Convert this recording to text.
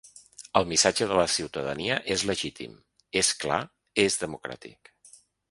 El missatge de la ciutadania és legítim, és clar, és democràtic.